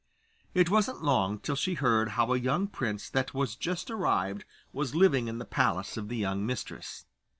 It wasn't long till she heard how a young prince, that was just arrived, was living in the palace of the young mistress.